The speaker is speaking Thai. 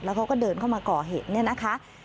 เขาก็เดินเข้ามาก่อเหตุเนี่ยนะคะ